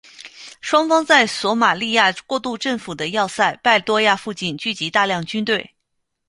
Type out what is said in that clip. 双方在索马利亚过渡政府的要塞拜多亚附近聚集大量军队。